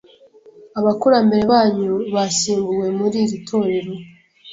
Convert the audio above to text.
Abakurambere banyu bashyinguwe muri iri torero.